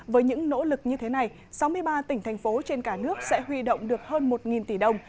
với những nỗ lực như thế này sáu mươi ba tỉnh thành phố trên cả nước sẽ huy động được hơn một tỷ đồng